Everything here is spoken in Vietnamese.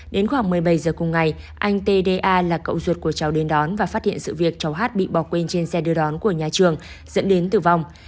đến khoảng một mươi bảy giờ cùng ngày anh tda là cậu ruột của cháu đến đón và phát hiện sự việc cháu hát bị bỏ quên trên xe đưa đón của nhà trường dẫn đến tử vong